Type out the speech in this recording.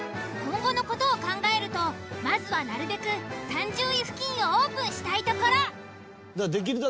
今後の事を考えるとまずはなるべく３０位付近をオープンしたいところ。